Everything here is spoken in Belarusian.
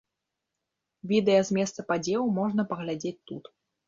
Відэа з месца падзеў можна паглядзець тут.